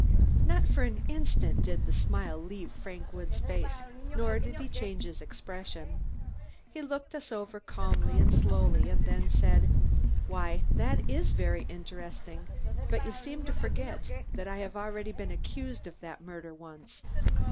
Not for an instant did the smile leave Frank Woods' face, nor did his expression change. He looked us over calmly and slowly and then he said: "Why, that is very interesting, but you seem to forget that I have already been accused of that murder once."